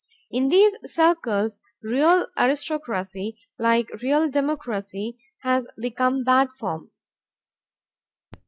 In these circles real aristocracy, like real democracy, has become bad form.